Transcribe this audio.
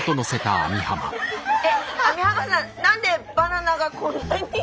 網浜さん何でバナナがこんなに。